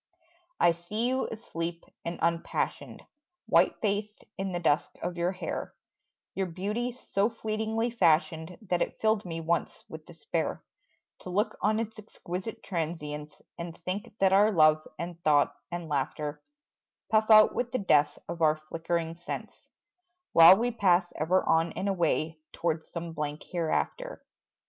I see you asleep and unpassioned, White faced in the dusk of your hair Your beauty so fleetingly fashioned That it filled me once with despair To look on its exquisite transience And think that our love and thought and laughter Puff out with the death of our flickering sense, While we pass ever on and away Towards some blank hereafter.